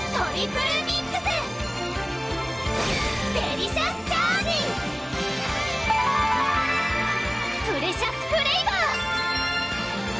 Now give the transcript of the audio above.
プレシャスフレイバー！